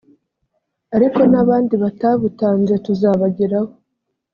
ariko n’ abandi batabutanze tuzabageraho